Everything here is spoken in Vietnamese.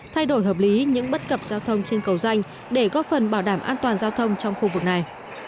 thay đổi hợp lý những bất cập giao thông trên cầu danh để góp phần bảo đảm an toàn giao thông trong khu vực này